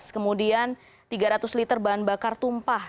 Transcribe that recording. kemudian tiga ratus liter bahan bakar tumpah